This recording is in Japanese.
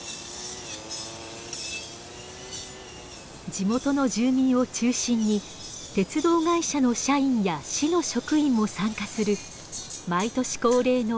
地元の住民を中心に鉄道会社の社員や市の職員も参加する毎年恒例の草刈りです。